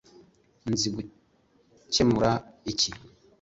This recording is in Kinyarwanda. Nzi gukemura iki